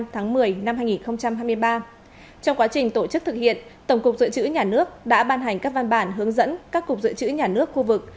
trong quá trình tổ chức thực hiện tổng cục dự trữ nhà nước đã ban hành các văn bản hướng dẫn các cục dự trữ nhà nước khu vực